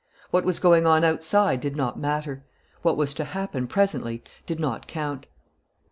What was going on outside did not matter. What was to happen presently did not count.